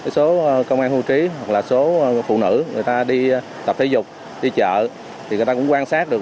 số công an hưu trí hoặc là số phụ nữ người ta đi tập thể dục đi chợ thì người ta cũng quan sát được